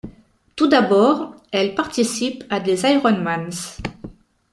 Tout d'abord, elle participe à des Ironmans.